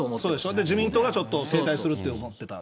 で、自民党がちょっと停滞するって思ってた。